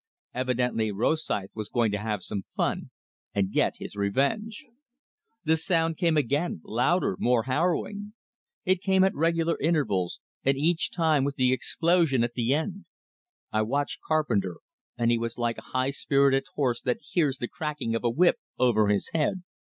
Evidently Rosythe was going to have some fun, and get his revenge! The sound came again louder, more harrowing. It came at regular intervals, and each time with the explosion at the end. I watched Carpenter, and he was like a high spirited horse that hears the cracking of a whip over his head.